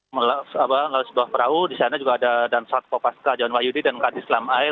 ke sebuah perahu di sana juga ada dansat kopas kajawan wahyudi dan kandis lam air